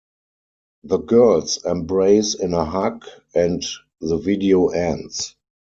The girls embrace in a hug and the video ends.